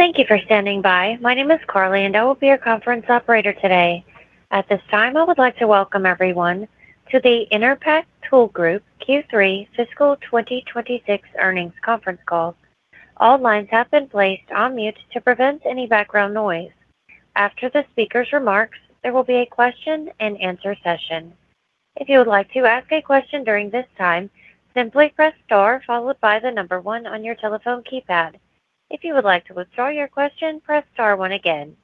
Thank you for standing by. My name is Carly, and I will be your conference operator today. At this time, I would like to welcome everyone to the Enerpac Tool Group Q3 fiscal 2026 earnings conference call. All lines have been placed on mute to prevent any background noise. After the speaker's remarks, there will be a question-and-answer session. If you would like to ask a question during this time, simply press star, followed by the number one on your telephone keypad. If you would like to withdraw your question, press star one again.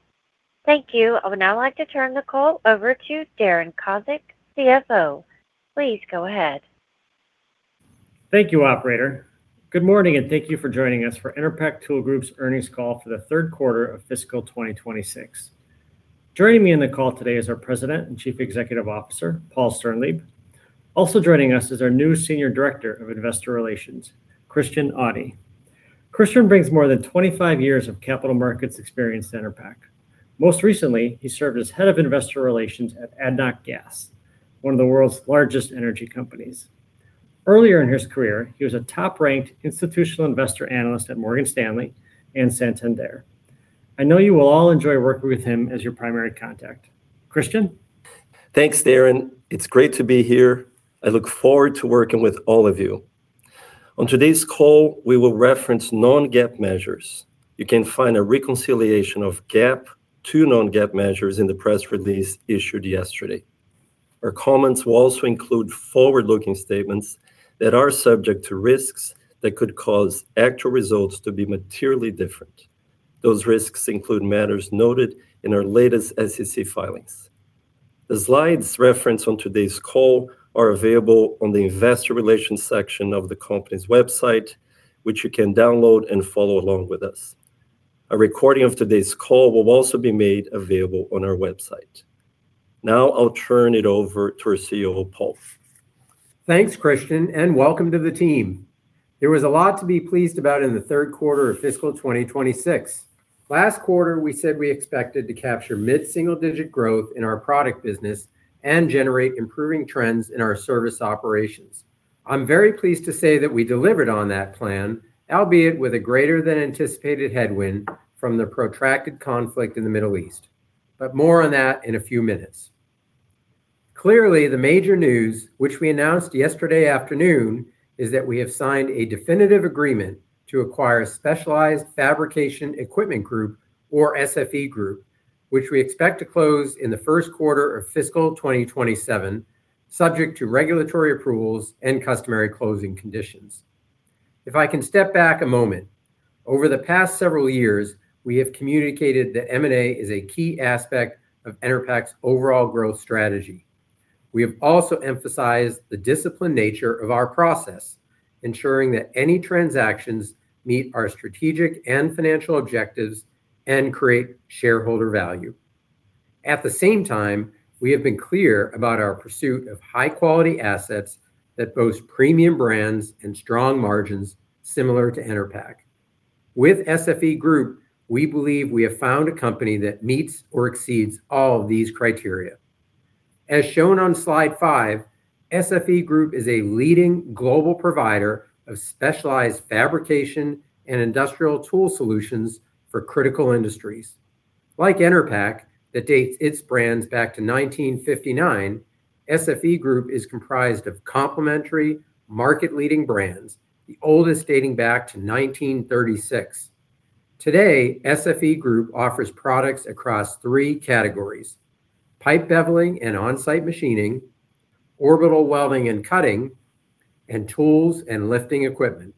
Thank you. I would now like to turn the call over to Darren Kozik, CFO. Please go ahead. Thank you, operator. Good morning, and thank you for joining us for Enerpac Tool Group's earnings call for the third quarter of fiscal 2026. Joining me in the call today is our President and Chief Executive Officer, Paul Sternlieb. Also joining us is our new Senior Director of Investor Relations, Christian Audi. Christian brings more than 25 years of capital markets experience to Enerpac. Most recently, he served as Head of Investor Relations at ADNOC Gas, one of the world's largest energy companies. Earlier in his career, he was a top-ranked institutional investor analyst at Morgan Stanley and Santander. I know you will all enjoy working with him as your primary contact. Christian? Thanks, Darren. It's great to be here. I look forward to working with all of you. On today's call, we will reference non-GAAP measures. You can find a reconciliation of GAAP to non-GAAP measures in the press release issued yesterday. Our comments will also include forward-looking statements that are subject to risks that could cause actual results to be materially different. Those risks include matters noted in our latest SEC filings. The slides referenced on today's call are available on the Investor Relations section of the company's website, which you can download and follow along with us. A recording of today's call will also be made available on our website. Now I'll turn it over to our CEO, Paul. Thanks, Christian, and welcome to the team. There was a lot to be pleased about in the third quarter of fiscal 2026. Last quarter, we said we expected to capture mid-single-digit growth in our product business and generate improving trends in our service operations. I'm very pleased to say that we delivered on that plan, albeit with a greater than anticipated headwind from the protracted conflict in the Middle East. More on that in a few minutes. Clearly, the major news which we announced yesterday afternoon, is that we have signed a definitive agreement to acquire Specialized Fabrication Equipment Group, or SFE Group, which we expect to close in the first quarter of fiscal 2027, subject to regulatory approvals and customary closing conditions. If I can step back a moment. Over the past several years, we have communicated that M&A is a key aspect of Enerpac's overall growth strategy. We have also emphasized the disciplined nature of our process, ensuring that any transactions meet our strategic and financial objectives and create shareholder value. At the same time, we have been clear about our pursuit of high-quality assets that boast premium brands and strong margins similar to Enerpac. With SFE Group, we believe we have found a company that meets or exceeds all of these criteria. As shown on slide five, SFE Group is a leading global provider of specialized fabrication and industrial tool solutions for critical industries. Like Enerpac, that dates its brands back to 1959, SFE Group is comprised of complementary market-leading brands, the oldest dating back to 1936. Today, SFE Group offers products across three categories: pipe beveling and on-site machining, orbital welding and cutting, and tools and lifting equipment.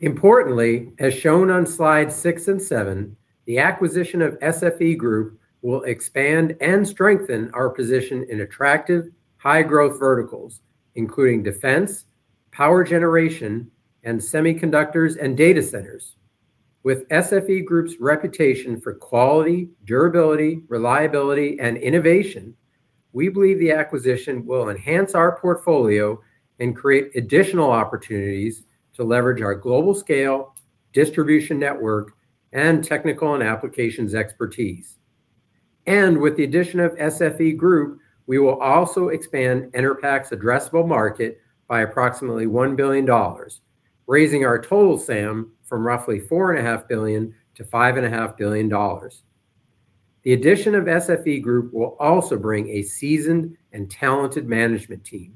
Importantly, as shown on slides six and seven, the acquisition of SFE Group will expand and strengthen our position in attractive high-growth verticals, including defense, power generation, and semiconductors and data centers. With SFE Group's reputation for quality, durability, reliability, and innovation, we believe the acquisition will enhance our portfolio and create additional opportunities to leverage our global scale, distribution network, and technical and applications expertise. With the addition of SFE Group, we will also expand Enerpac's addressable market by approximately $1 billion, raising our total TAM from roughly $4.5 billion to $5.5 billion. The addition of SFE Group will also bring a seasoned and talented management team.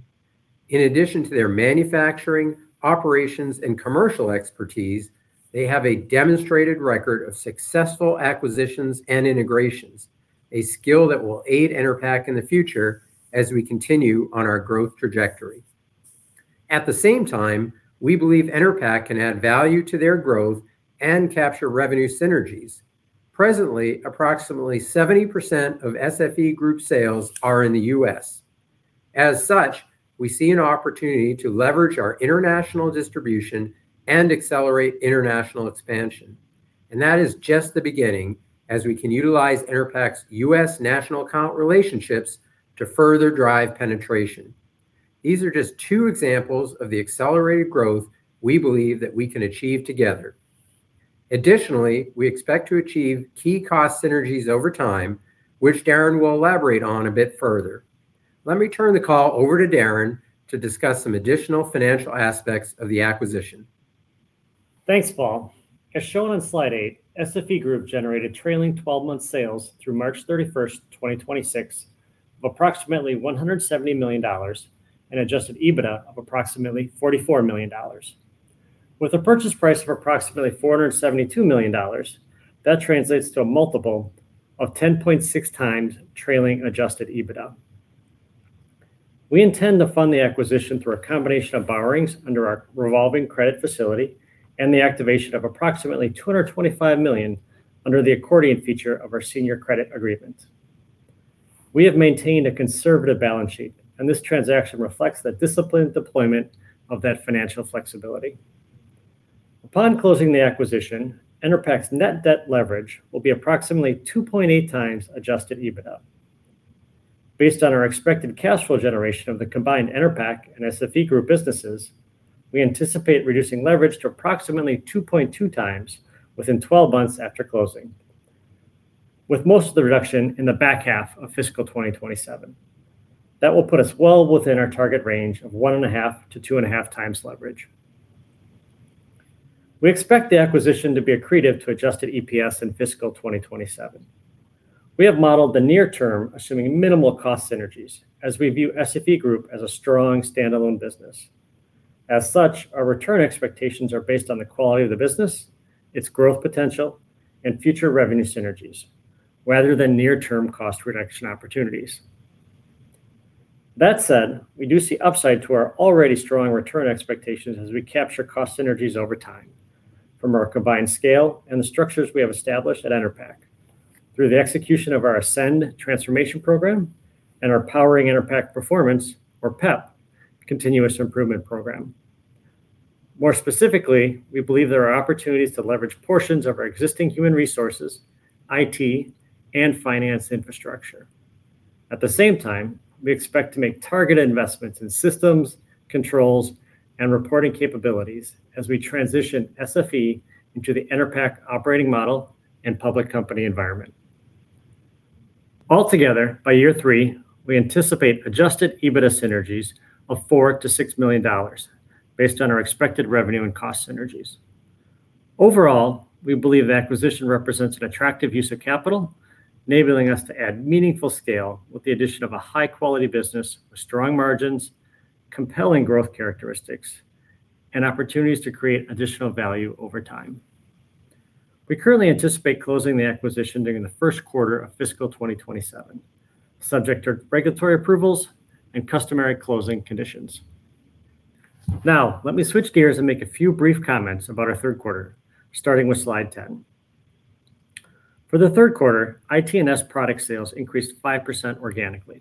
In addition to their manufacturing, operations, and commercial expertise, they have a demonstrated record of successful acquisitions and integrations, a skill that will aid Enerpac in the future as we continue on our growth trajectory. At the same time, we believe Enerpac can add value to their growth and capture revenue synergies. Presently, approximately 70% of SFE Group sales are in the U.S.. As such, we see an opportunity to leverage our international distribution and accelerate international expansion. That is just the beginning, as we can utilize Enerpac's U.S. national account relationships to further drive penetration. These are just two examples of the accelerated growth we believe that we can achieve together. Additionally, we expect to achieve key cost synergies over time, which Darren will elaborate on a bit further. Let me turn the call over to Darren to discuss some additional financial aspects of the acquisition. Thanks, Paul. As shown on slide eight, SFE Group generated trailing 12 months sales through March 31st, 2026, of approximately $170 million and adjusted EBITDA of approximately $44 million. With a purchase price of approximately $472 million, that translates to a multiple of 10.6x trailing adjusted EBITDA. We intend to fund the acquisition through a combination of borrowings under our revolving credit facility and the activation of approximately $225 million under the accordion feature of our senior credit agreement. We have maintained a conservative balance sheet, and this transaction reflects the disciplined deployment of that financial flexibility. Upon closing the acquisition, Enerpac's net debt leverage will be approximately 2.8x adjusted EBITDA. Based on our expected cash flow generation of the combined Enerpac and SFE Group businesses, we anticipate reducing leverage to approximately 2.2x within 12 months after closing, with most of the reduction in the back half of fiscal 2027. That will put us well within our target range of 1.5x-2.5x leverage. We expect the acquisition to be accretive to adjusted EPS in fiscal 2027. We have modeled the near-term assuming minimal cost synergies as we view SFE Group as a strong standalone business. As such, our return expectations are based on the quality of the business, its growth potential, and future revenue synergies, rather than near-term cost reduction opportunities. That said, we do see upside to our already strong return expectations as we capture cost synergies over time from our combined scale and the structures we have established at Enerpac through the execution of our ASCEND transformation program and our Powering Enerpac Performance, or PEP, continuous improvement program. More specifically, we believe there are opportunities to leverage portions of our existing human resources, IT, and finance infrastructure. At the same time, we expect to make targeted investments in systems, controls, and reporting capabilities as we transition SFE into the Enerpac operating model and public company environment. Altogether, by year three, we anticipate adjusted EBITDA synergies of $4 million-$6 million based on our expected revenue and cost synergies. Overall, we believe the acquisition represents an attractive use of capital, enabling us to add meaningful scale with the addition of a high-quality business with strong margins, compelling growth characteristics, and opportunities to create additional value over time. We currently anticipate closing the acquisition during the first quarter of fiscal 2027, subject to regulatory approvals and customary closing conditions. Now, let me switch gears and make a few brief comments about our third quarter, starting with slide 10. For the third quarter, IT&S product sales increased 5% organically.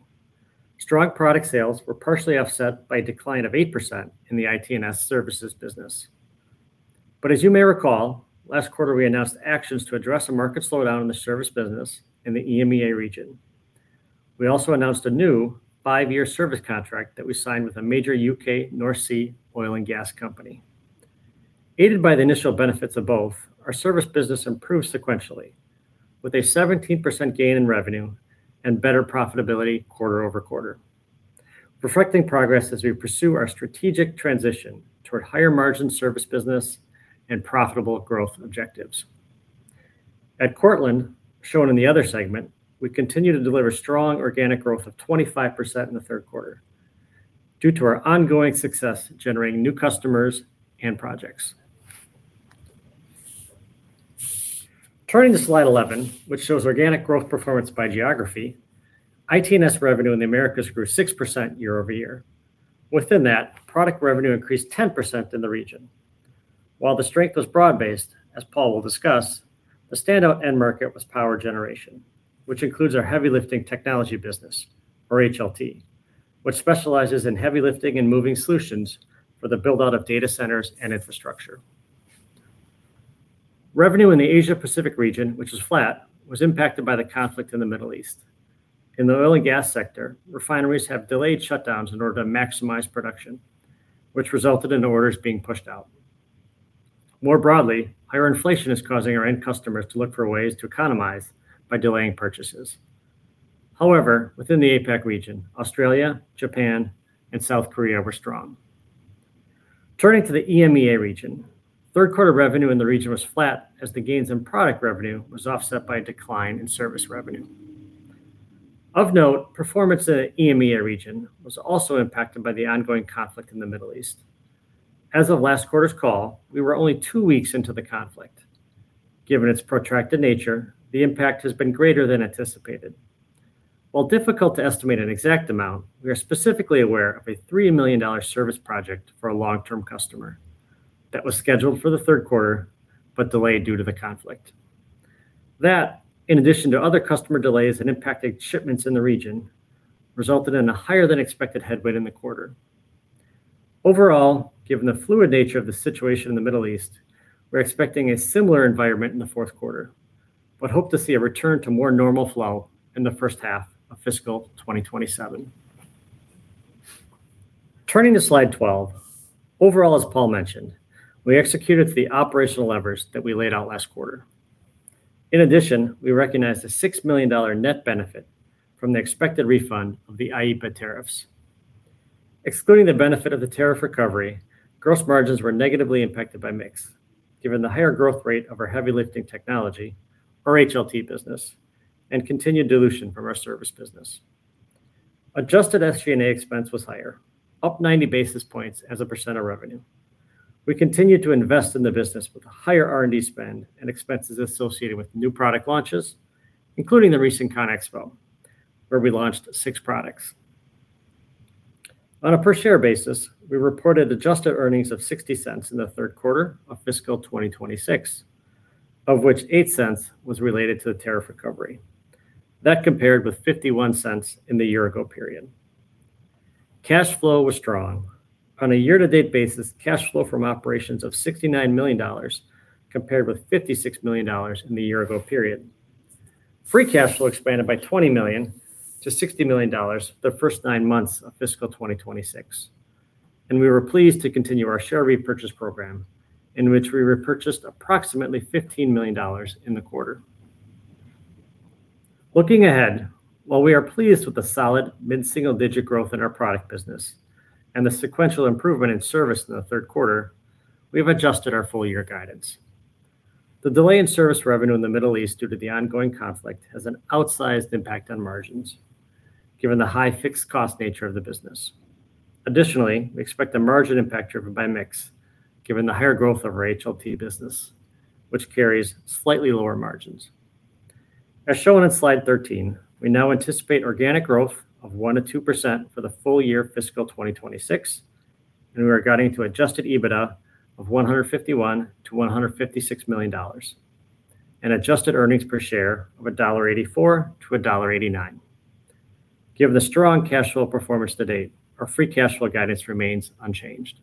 Strong product sales were partially offset by a decline of 8% in the IT&S services business. As you may recall, last quarter, we announced actions to address a market slowdown in the service business in the EMEA region. We also announced a new five-year service contract that we signed with a major U.K. North Sea oil and gas company. Aided by the initial benefits of both, our service business improved sequentially with a 17% gain in revenue and better profitability quarter-over-quarter, reflecting progress as we pursue our strategic transition toward higher margin service business and profitable growth objectives. At Cortland, shown in the other segment, we continue to deliver strong organic growth of 25% in the third quarter due to our ongoing success generating new customers and projects. Turning to slide 11, which shows organic growth performance by geography, IT&S revenue in the Americas grew 6% year-over-year. Within that, product revenue increased 10% in the region. While the strength was broad-based, as Paul will discuss, the standout end market was power generation, which includes our Heavy Lifting Technology business, or HLT, which specializes in heavy lifting and moving solutions for the build-out of data centers and infrastructure. Revenue in the Asia Pacific region, which was flat, was impacted by the conflict in the Middle East. In the oil and gas sector, refineries have delayed shutdowns in order to maximize production, which resulted in orders being pushed out. More broadly, higher inflation is causing our end customers to look for ways to economize by delaying purchases. However, within the APAC region, Australia, Japan, and South Korea were strong. Turning to the EMEA region, third quarter revenue in the region was flat as the gains in product revenue was offset by a decline in service revenue. Of note, performance in the EMEA region was also impacted by the ongoing conflict in the Middle East. As of last quarter's call, we were only two weeks into the conflict. Given its protracted nature, the impact has been greater than anticipated. While difficult to estimate an exact amount, we are specifically aware of a $3 million service project for a long-term customer that was scheduled for the third quarter but delayed due to the conflict. That, in addition to other customer delays and impacted shipments in the region, resulted in a higher than expected headwind in the quarter. Overall, given the fluid nature of the situation in the Middle East, we're expecting a similar environment in the fourth quarter, but hope to see a return to more normal flow in the first half of fiscal 2027. Turning to slide 12. Overall, as Paul mentioned, we executed to the operational levers that we laid out last quarter. In addition, we recognized a $6 million net benefit from the expected refund of the IEEPA tariffs. Excluding the benefit of the tariff recovery, gross margins were negatively impacted by mix, given the higher growth rate of our Heavy Lifting Technology, our HLT business, and continued dilution from our Service business. Adjusted SG&A expense was higher, up 90 basis points as a percent of revenue. We continued to invest in the business with a higher R&D spend and expenses associated with new product launches, including the recent CONEXPO, where we launched six products. On a per-share basis, we reported adjusted earnings of $0.60 in the third quarter of fiscal 2026, of which $0.08 was related to the tariff recovery. That compared with $0.51 in the year-ago period. Cash flow was strong. On a year-to-date basis, cash flow from operations of $69 million compared with $56 million in the year-ago period. Free cash flow expanded by $20 million to $60 million the first nine months of fiscal 2026. We were pleased to continue our share repurchase program, in which we repurchased approximately $15 million in the quarter. Looking ahead, while we are pleased with the solid mid-single-digit growth in our product business and the sequential improvement in service in the third quarter, we've adjusted our full-year guidance. The delay in service revenue in the Middle East due to the ongoing conflict has an outsized impact on margins given the high fixed cost nature of the business. Additionally, we expect a margin impact driven by mix, given the higher growth of our HLT business, which carries slightly lower margins. As shown on slide 13, we now anticipate organic growth of 1%-2% for the full-year fiscal 2026, and we are guiding to adjusted EBITDA of $151 million-$156 million, and adjusted earnings per share of $1.84-$1.89. Given the strong cash flow performance to-date, our free cash flow guidance remains unchanged.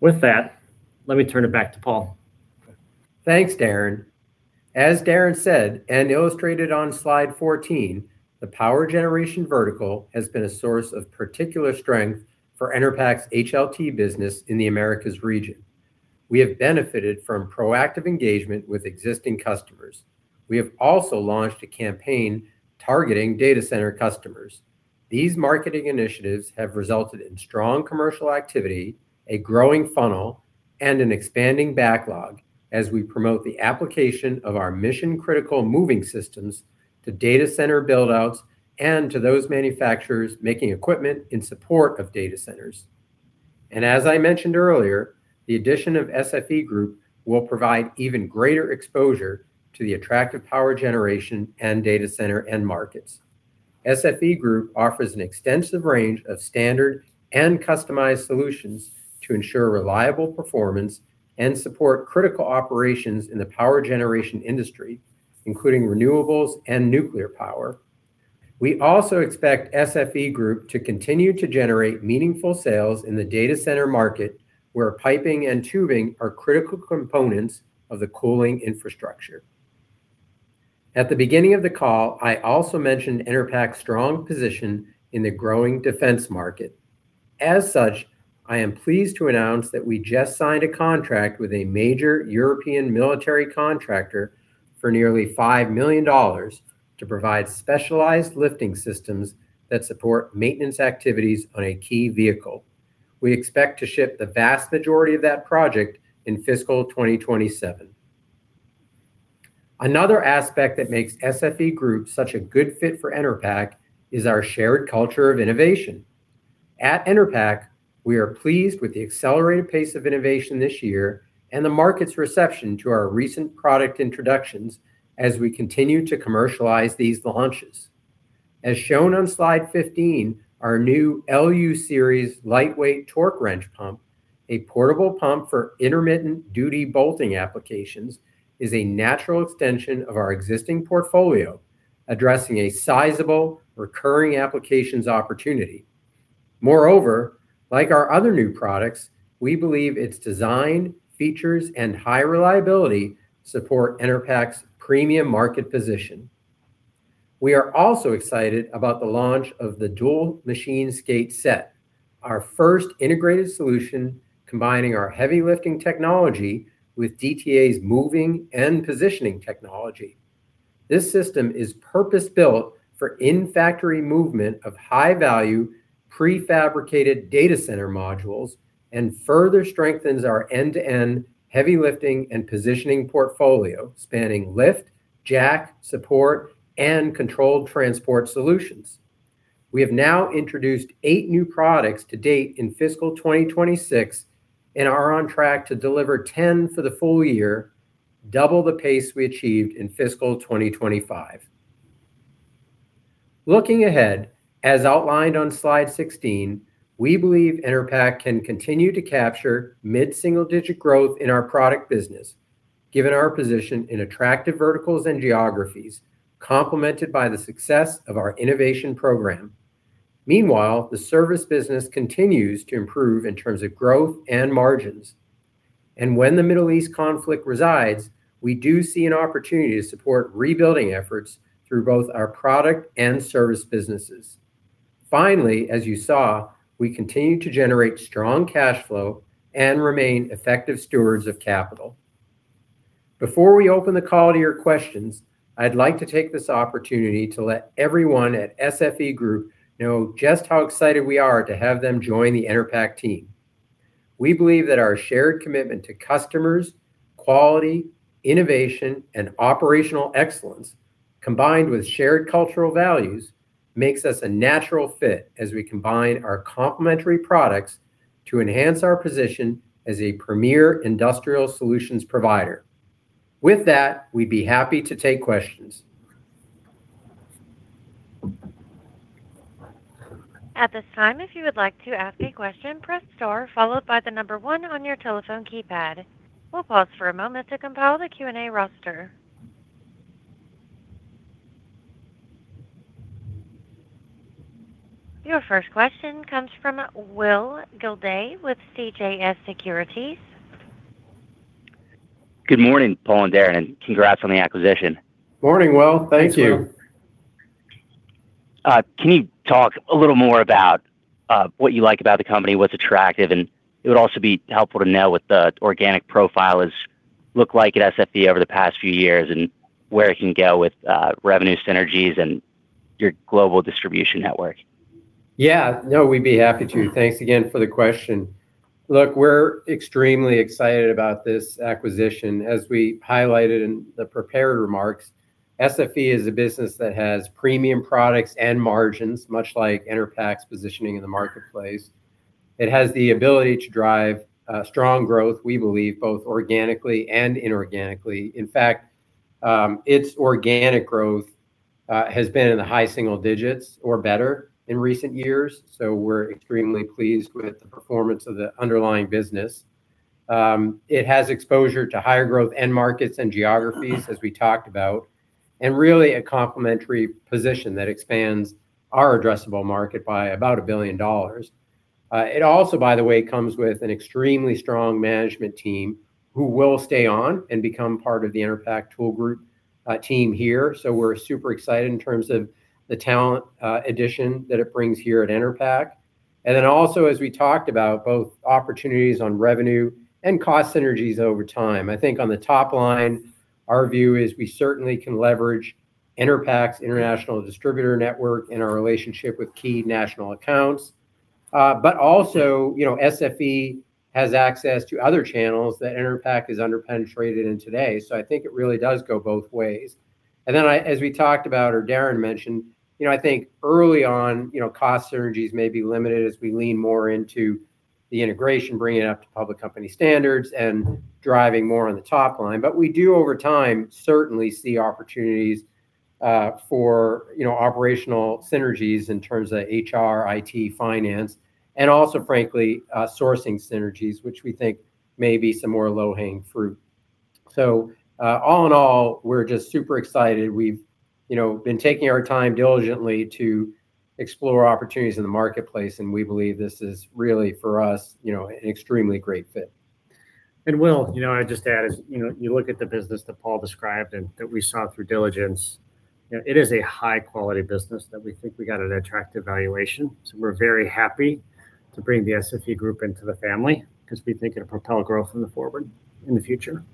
With that, let me turn it back to Paul. Thanks, Darren. As Darren said and illustrated on slide 14, the power generation vertical has been a source of particular strength for Enerpac's HLT business in the Americas region. We have benefited from proactive engagement with existing customers. We have also launched a campaign targeting data center customers. These marketing initiatives have resulted in strong commercial activity, a growing funnel, and an expanding backlog as we promote the application of our mission-critical moving systems to data center build-outs and to those manufacturers making equipment in support of data centers. As I mentioned earlier, the addition of SFE Group will provide even greater exposure to the attractive power generation and data center end markets. SFE Group offers an extensive range of standard and customized solutions to ensure reliable performance and support critical operations in the power generation industry, including renewables and nuclear power. We also expect SFE Group to continue to generate meaningful sales in the data center market, where piping and tubing are critical components of the cooling infrastructure. At the beginning of the call, I also mentioned Enerpac's strong position in the growing defense market. As such, I am pleased to announce that we just signed a contract with a major European military contractor for nearly $5 million to provide specialized lifting systems that support maintenance activities on a key vehicle. We expect to ship the vast majority of that project in fiscal 2027. Another aspect that makes SFE Group such a good fit for Enerpac is our shared culture of innovation. At Enerpac, we are pleased with the accelerated pace of innovation this year and the market's reception to our recent product introductions as we continue to commercialize these launches. As shown on slide 15, our new LU-Series Lightweight Torque Wrench Pump, a portable pump for intermittent duty bolting applications, is a natural extension of our existing portfolio, addressing a sizable recurring applications opportunity. Moreover, like our other new products, we believe its design, features, and high reliability support Enerpac's premium market position. We are also excited about the launch of the Dual Machine Skate set, our first integrated solution combining our Heavy Lifting Technology with DTA's moving and positioning technology. This system is purpose-built for in-factory movement of high-value prefabricated data center modules and further strengthens our end-to-end heavy lifting and positioning portfolio, spanning lift, jack, support, and controlled transport solutions. We have now introduced eight new products to-date in fiscal 2026 and are on track to deliver 10 for the full-year, double the pace we achieved in fiscal 2025. Looking ahead, as outlined on slide 16, we believe Enerpac can continue to capture mid-single-digit growth in our product business, given our position in attractive verticals and geographies, complemented by the success of our innovation program. Meanwhile, the service business continues to improve in terms of growth and margins. When the Middle East conflict resides, we do see an opportunity to support rebuilding efforts through both our product and service businesses. Finally, as you saw, we continue to generate strong cash flow and remain effective stewards of capital. Before we open the call to your questions, I'd like to take this opportunity to let everyone at SFE Group know just how excited we are to have them join the Enerpac team. We believe that our shared commitment to customers, quality, innovation, and operational excellence, combined with shared cultural values, makes us a natural fit as we combine our complementary products to enhance our position as a premier industrial solutions provider. With that, we'd be happy to take questions. At this time, if you would like to ask a question, press star followed by the number one on your telephone keypad. We'll pause for a moment to compile the Q&A roster. Your first question comes from Will Gildea with CJS Securities. Good morning, Paul and Darren, and congrats on the acquisition. Morning, Will. Thank you. Thanks, Will. Can you talk a little more about what you like about the company, what's attractive. It would also be helpful to know what the organic profile has looked like at SFE over the past few years, and where it can go with revenue synergies and your global distribution network. Yeah. No, we'd be happy to. Thanks again for the question. Look, we're extremely excited about this acquisition. As we highlighted in the prepared remarks, SFE is a business that has premium products and margins, much like Enerpac's positioning in the marketplace. It has the ability to drive strong growth, we believe, both organically and inorganically. In fact, its organic growth has been in the high-single digits or better in recent years, so we're extremely pleased with the performance of the underlying business. It has exposure to higher growth end markets and geographies, as we talked about, and really a complementary position that expands our addressable market by about $1 billion. It also, by the way, comes with an extremely strong management team who will stay on and become part of the Enerpac Tool Group team here, so we're super excited in terms of the talent addition that it brings here at Enerpac. Also, as we talked about, both opportunities on revenue and cost synergies over time. I think on the top-line, our view is we certainly can leverage Enerpac's international distributor network and our relationship with key national accounts. Also, SFE has access to other channels that Enerpac is under-penetrated in today. I think it really does go both ways. As we talked about, or Darren mentioned, I think early on, cost synergies may be limited as we lean more into the integration, bringing it up to public company standards, and driving more on the top line. We do over time certainly see opportunities for operational synergies in terms of HR, IT, Finance, and also frankly, sourcing synergies, which we think may be some more low-hanging fruit. All in all, we're just super excited. We've been taking our time diligently to explore opportunities in the marketplace, and we believe this is really, for us, an extremely great fit. Will, I'd just add, as you look at the business that Paul described and that we saw through diligence, it is a high-quality business that we think we got at an attractive valuation. We're very happy to bring the SFE Group into the family because we think it'll propel growth in the future.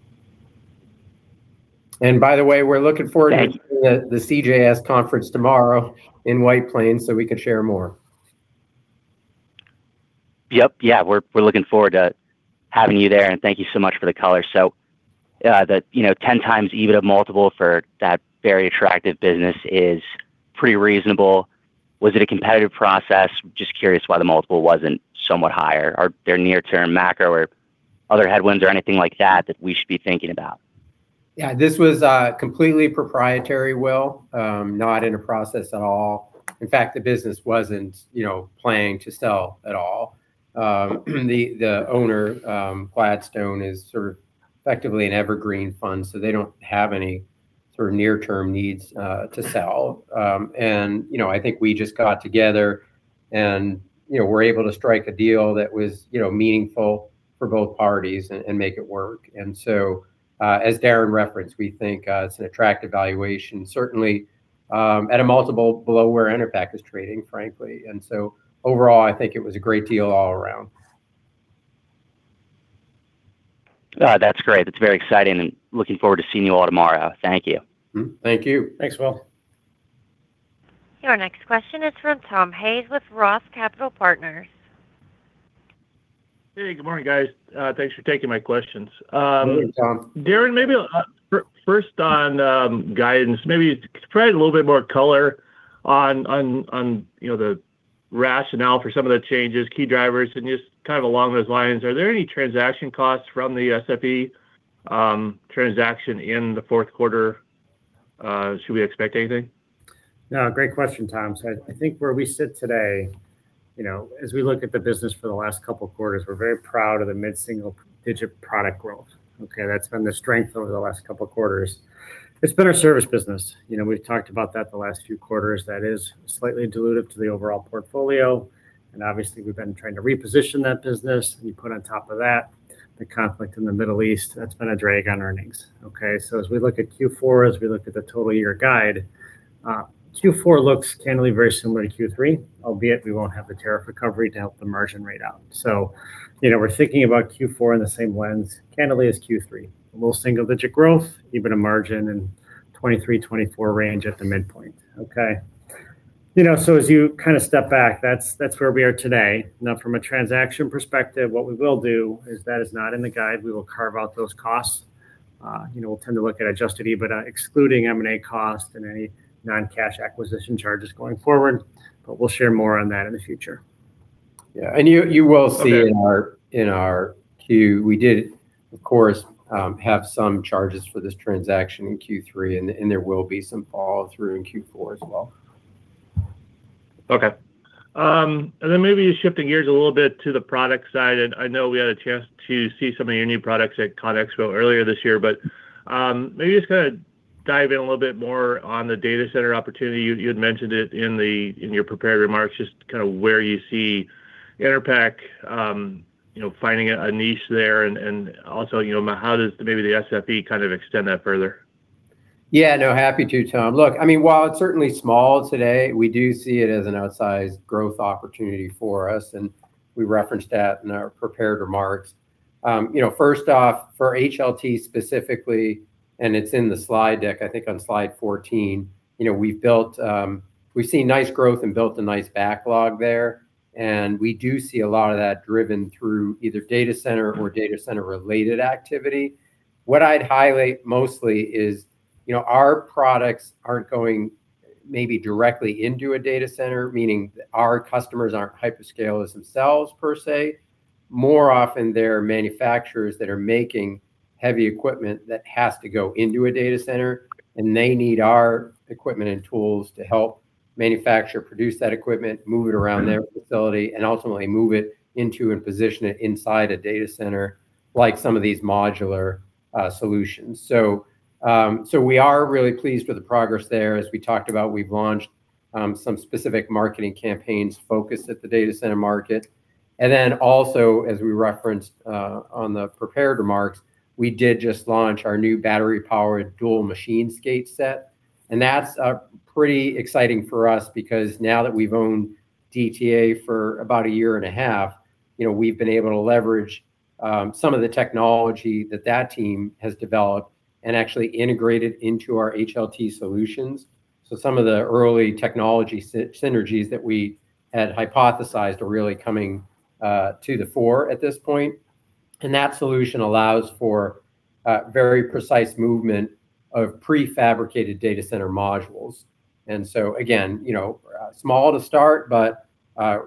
By the way, we're looking forward to the CJS conference tomorrow in White Plains so we can share more. Yep. Yeah. We're looking forward to having you there, and thank you so much for the color. The 10x EBITDA multiple for that very attractive business is pretty reasonable. Was it a competitive process? Just curious why the multiple wasn't somewhat higher. Are there near-term macro or other headwinds or anything like that that we should be thinking about? Yeah, this was completely proprietary, Will. Not in a process at all. In fact, the business wasn't planning to sell at all. The owner, Gladstone, is sort of effectively an evergreen fund, so they don't have any sort of near-term needs to sell. I think we just got together and were able to strike a deal that was meaningful for both parties and make it work. As Darren referenced, we think it's an attractive valuation, certainly at a multiple below where Enerpac is trading, frankly. Overall, I think it was a great deal all around. That's great. It's very exciting, and looking forward to seeing you all tomorrow. Thank you. Thank you. Thanks, Will. Your next question is from Tom Hayes with ROTH Capital Partners. Hey, good morning, guys. Thanks for taking my questions. Morning, Tom. Darren, maybe first on guidance, maybe just provide a little bit more color on the rationale for some of the changes, key drivers, and just kind of along those lines, are there any transaction costs from the SFE transaction in the fourth quarter? Should we expect anything? Great question, Tom. I think where we sit today, as we look at the business for the last couple of quarters, we're very proud of the mid-single-digit product growth. Okay? That's been the strength over the last couple of quarters. It's been our service business. We've talked about that the last few quarters. That is slightly dilutive to the overall portfolio, and obviously we've been trying to reposition that business. You put on top of that the conflict in the Middle East, that's been a drag on earnings. Okay? As we look at Q4, as we look at the total year guide, Q4 looks candidly very similar to Q3, albeit we won't have the tariff recovery to help the margin rate out. We're thinking about Q4 in the same lens, candidly, as Q3. A little single-digit growth, even a margin in 23%-24% range at the midpoint. Okay? As you step back, that's where we are today. From a transaction perspective, what we will do is that is not in the guide. We will carve out those costs. We'll tend to look at adjusted EBITDA excluding M&A cost and any non-cash acquisition charges going forward. We'll share more on that in the future. You will see in our 10-Q, we did, of course, have some charges for this transaction in Q3, and there will be some follow-through in Q4 as well. Okay. Then maybe just shifting gears a little bit to the product side, I know we had a chance to see some of your new products at CONEXPO earlier this year, but maybe just dive in a little bit more on the data center opportunity. You had mentioned it in your prepared remarks, just where you see Enerpac finding a niche there and also, how does maybe the SFE extend that further? Yeah, no, happy to, Tom. Look, while it's certainly small today, we do see it as an outsized growth opportunity for us, and we referenced that in our prepared remarks. First off, for HLT specifically, it's in the slide deck, I think on slide 14, we've seen nice growth and built a nice backlog there, and we do see a lot of that driven through either data center or data center related activity. What I'd highlight mostly is our products aren't going maybe directly into a data center, meaning our customers aren't hyperscalers themselves per se. More often, they're manufacturers that are making heavy equipment that has to go into a data center, and they need our equipment and tools to help manufacture, produce that equipment, move it around their facility, and ultimately move it into and position it inside a data center, like some of these modular solutions. We are really pleased with the progress there. As we talked about, we've launched some specific marketing campaigns focused at the data center market. Then also, as we referenced on the prepared remarks, we did just launch our new battery-powered dual machine skate set. That's pretty exciting for us because now that we've owned DTA for about a year and a half, we've been able to leverage some of the technology that that team has developed and actually integrate it into our HLT solutions. Some of the early technology synergies that we had hypothesized are really coming to the fore at this point. That solution allows for very precise movement of prefabricated data center modules. Again, small to start, but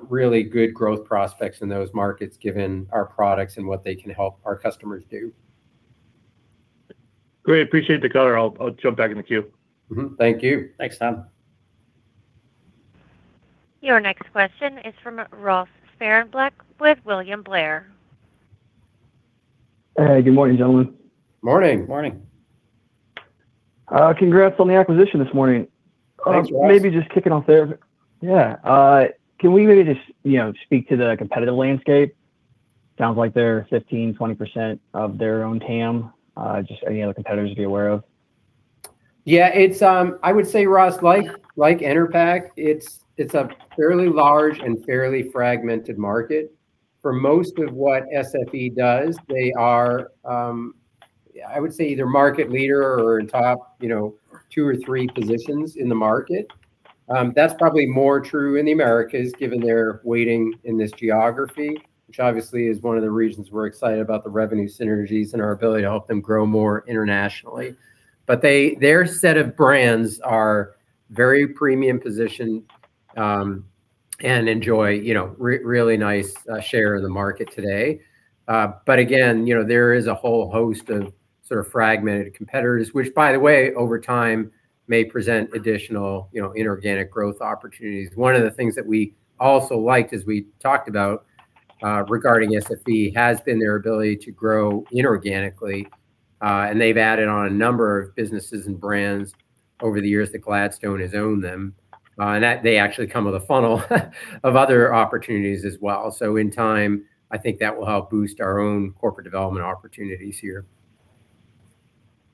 really good growth prospects in those markets, given our products and what they can help our customers do. Great. Appreciate the color. I'll jump back in the queue. Mm-hmm. Thank you. Thanks, Tom. Your next question is from Ross Sparenblek with William Blair. Hey, good morning, gentlemen. Morning. Morning. Congrats on the acquisition this morning. Thanks, Ross. Yeah. Can we maybe just speak to the competitive landscape? Sounds like they're 15%-20% of their own TAM. Just any other competitors to be aware of? Yeah. I would say, Ross, like Enerpac, it's a fairly large and fairly fragmented market. For most of what SFE does, they are, I would say, either market leader or top two or three positions in the market. That's probably more true in the Americas, given their weighting in this geography, which obviously is one of the reasons we're excited about the revenue synergies and our ability to help them grow more internationally. Their set of brands are very premium positioned, and enjoy really nice share of the market today. Again, there is a whole host of fragmented competitors, which, by the way, over time may present additional inorganic growth opportunities. One of the things that we also liked as we talked about regarding SFE has been their ability to grow inorganically. They've added on a number of businesses and brands over the years that Gladstone has owned them. They actually come with a funnel of other opportunities as well. In time, I think that will help boost our own corporate development opportunities here.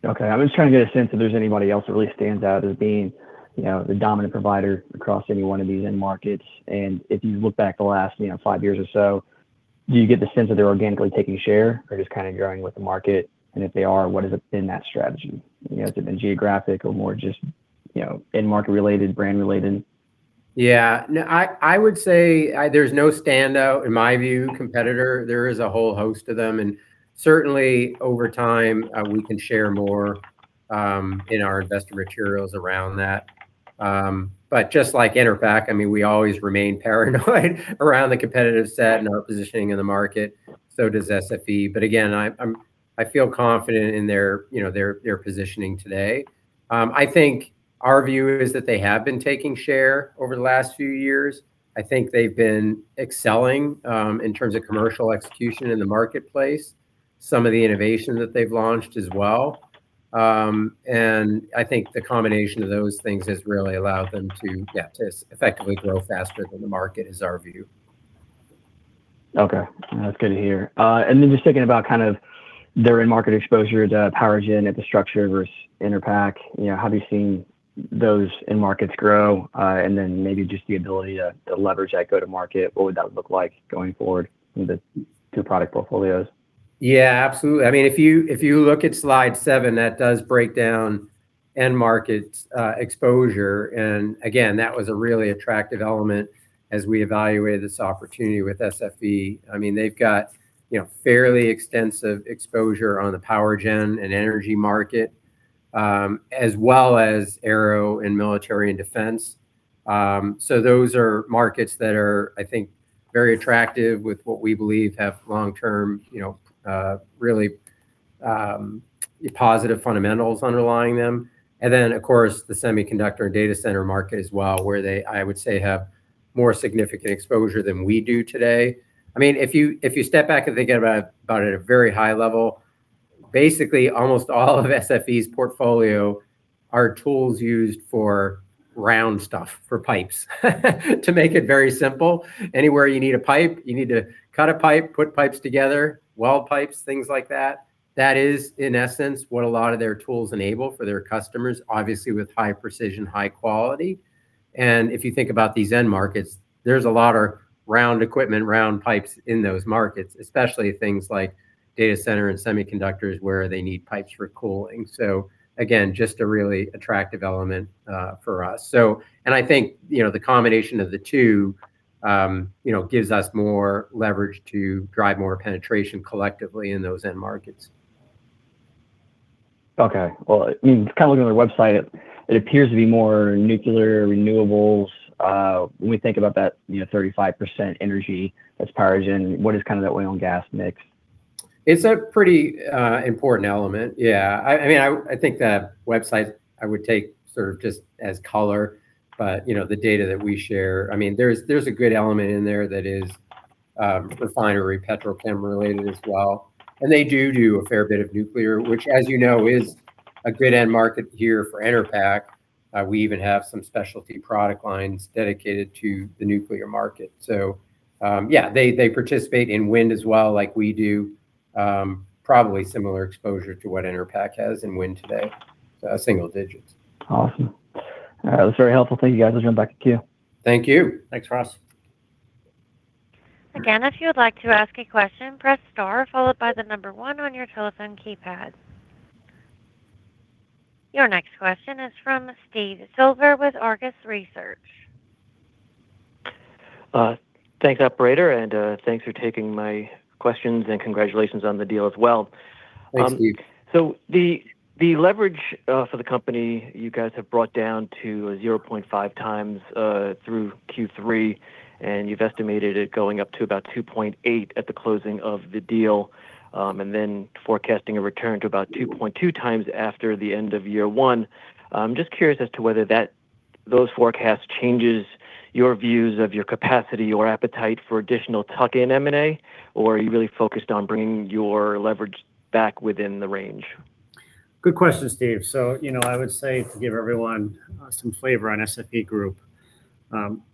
Okay. I'm just trying to get a sense if there's anybody else that really stands out as being the dominant provider across any one of these end markets. If you look back the last five years or so, do you get the sense that they're organically taking share or just growing with the market? If they are, what has been that strategy? Has it been geographic or more just end-market related, brand-related? Yeah. No, I would say there's no standout, in my view, competitor. There is a whole host of them, and certainly over time, we can share more in our investor materials around that. Just like Enerpac, we always remain paranoid around the competitive set and our positioning in the market. So does SFE. Again, I feel confident in their positioning today. I think our view is that they have been taking share over the last few years. I think they've been excelling in terms of commercial execution in the marketplace, some of the innovation that they've launched as well. I think the combination of those things has really allowed them to, yeah, to effectively grow faster than the market, is our view. Okay. That's good to hear. Just thinking about their end market exposure to power gen infrastructure versus Enerpac, how have you seen those end markets grow? Maybe just the ability to leverage that go-to-market, what would that look like going forward in the two product portfolios? Yeah, absolutely. If you look at slide seven, that does break down end markets exposure. Again, that was a really attractive element as we evaluated this opportunity with SFE. They've got fairly extensive exposure on the power gen and energy market, as well as aero and military and defense. Those are markets that are, I think, very attractive with what we believe have long-term, really positive fundamentals underlying them. Of course, the semiconductor and data center market as well, where they, I would say, have more significant exposure than we do today. If you step back and think about it at a very high level, basically almost all of SFE's portfolio are tools used for round stuff, for pipes. To make it very simple, anywhere you need a pipe, you need to cut a pipe, put pipes together, weld pipes, things like that is, in essence, what a lot of their tools enable for their customers, obviously with high precision, high quality. If you think about these end markets, there's a lot of round equipment, round pipes in those markets, especially things like data center and semiconductors, where they need pipes for cooling. Again, just a really attractive element for us. I think the combination of the two gives us more leverage to drive more penetration collectively in those end markets. Okay. Well, looking on their website, it appears to be more nuclear renewables. When we think about that 35% energy that's power gen, what is that oil and gas mix? It's a pretty important element. Yeah. I think that website I would take sort of just as color, but the data that we share, there's a good element in there that is refinery, petrochem related as well. They do a fair bit of nuclear, which, as you know, is a good end market here for Enerpac. We even have some specialty product lines dedicated to the nuclear market. Yeah, they participate in wind as well, like we do. Probably similar exposure to what Enerpac has in wind today. That's single digits. Awesome. All right. That was very helpful. Thank you, guys. I'll turn it back to you. Thank you. Thanks, Ross. If you would like to ask a question, press star followed by number one on your telephone keypad. Your next question is from Steve Silver with Argus Research. Thanks, operator, and thanks for taking my questions, and congratulations on the deal as well. Thanks, Steve. The leverage for the company, you guys have brought down to 0.5x through Q3, and you've estimated it going up to about 2.8x at the closing of the deal, and then forecasting a return to about 2.2x after the end of year one. I'm just curious as to whether those forecasts changes your views of your capacity or appetite for additional tuck-in M&A, or are you really focused on bringing your leverage back within the range? Good question, Steve. I would say to give everyone some flavor on SFE Group,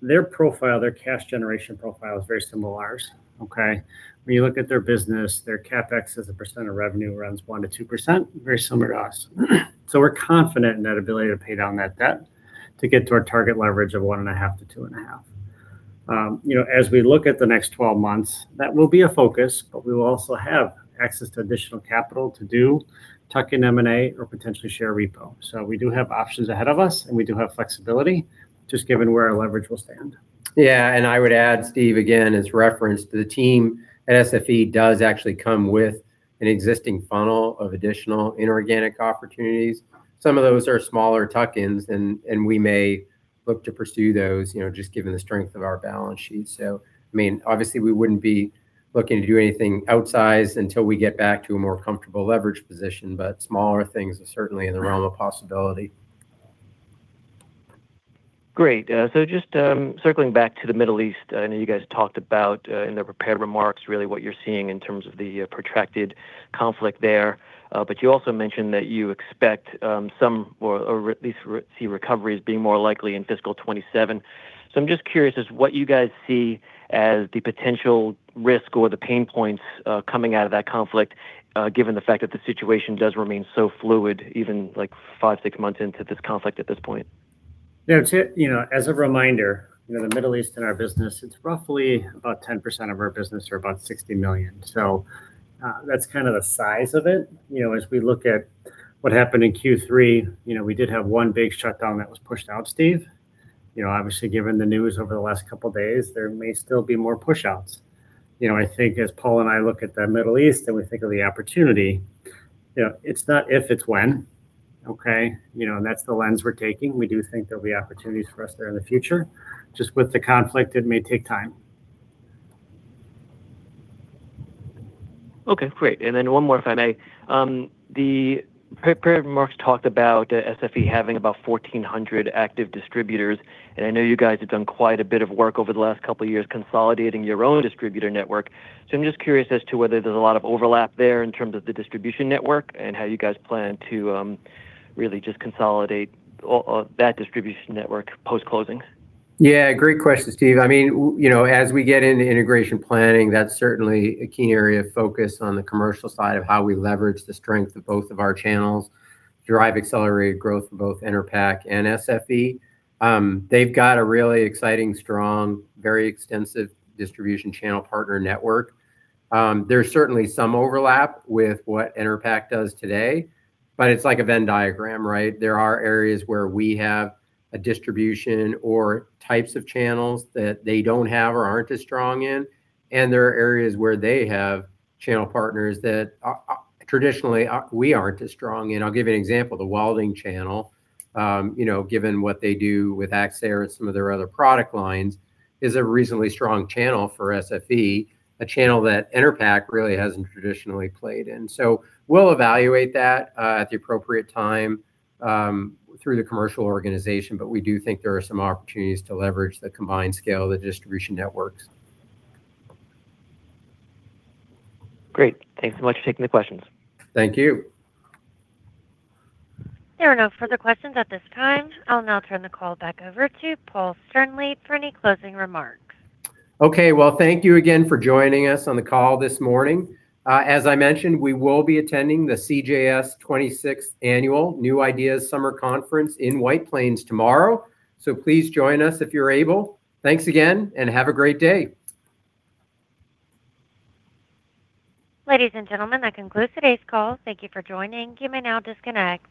their cash generation profile is very similar to ours. Okay? When you look at their business, their CapEx as a percent of revenue runs 1%-2%, very similar to us. We're confident in that ability to pay down that debt to get to our target leverage of 1.5x-2.5x. As we look at the next 12 months, that will be a focus, but we will also have access to additional capital to do tuck-in M&A or potentially share repo. We do have options ahead of us, and we do have flexibility, just given where our leverage will stand. I would add, Steve, again, as reference, the team at SFE does actually come with an existing funnel of additional inorganic opportunities. Some of those are smaller tuck-ins, and we may look to pursue those, just given the strength of our balance sheet. Obviously we wouldn't be looking to do anything outsized until we get back to a more comfortable leverage position, but smaller things are certainly in the realm of possibility. Great. Just circling back to the Middle East. I know you guys talked about, in the prepared remarks, really what you're seeing in terms of the protracted conflict there. You also mentioned that you expect some, or at least see recovery as being more likely in fiscal 2027. I'm just curious as what you guys see as the potential risk or the pain points coming out of that conflict, given the fact that the situation does remain so fluid, even five-six months into this conflict at this point. As a reminder, the Middle East in our business, it's roughly about 10% of our business, or about $60 million. That's kind of the size of it. As we look at what happened in Q3, we did have one big shutdown that was pushed out, Steve Obviously, given the news over the last couple of days, there may still be more pushouts. I think as Paul and I look at the Middle East and we think of the opportunity, it's not if, it's when. Okay. That's the lens we're taking. We do think there'll be opportunities for us there in the future. Just with the conflict, it may take time. Okay, great. One more, if I may. The prepared remarks talked about SFE having about 1,400 active distributors, and I know you guys have done quite a bit of work over the last couple of years consolidating your own distributor network. I'm just curious as to whether there's a lot of overlap there in terms of the distribution network and how you guys plan to really just consolidate all of that distribution network post-closing. Great question, Steve. As we get into integration planning, that's certainly a key area of focus on the commercial side of how we leverage the strength of both of our channels, drive accelerated growth for both Enerpac and SFE. They've got a really exciting, strong, very extensive distribution channel partner network. There's certainly some overlap with what Enerpac does today, but it's like a Venn diagram, right? There are areas where we have a distribution or types of channels that they don't have or aren't as strong in, and there are areas where they have channel partners that traditionally we aren't as strong in. I'll give you an example. The welding channel, given what they do with AXXAIR and some of their other product lines, is a reasonably strong channel for SFE, a channel that Enerpac really hasn't traditionally played in. We'll evaluate that at the appropriate time through the commercial organization, but we do think there are some opportunities to leverage the combined scale of the distribution networks. Great. Thanks so much for taking the questions. Thank you. There are no further questions at this time. I'll now turn the call back over to Paul Sternlieb for any closing remarks. Okay. Well, thank you again for joining us on the call this morning. As I mentioned, we will be attending the CJS 26th Annual New Ideas Summer Conference in White Plains tomorrow, please join us if you're able. Thanks again, have a great day. Ladies and gentlemen, that concludes today's call. Thank you for joining. You may now disconnect.